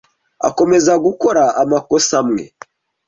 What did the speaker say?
Akomeza gukora amakosa amwe.